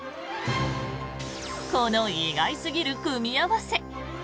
この意外すぎる組み合わせ。